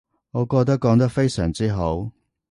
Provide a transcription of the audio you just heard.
我覺得講得非常之好